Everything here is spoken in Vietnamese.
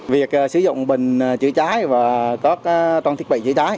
việc sử dụng bình chữa cháy và toàn thiết bị chữa cháy